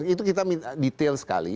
itu kita detail sekali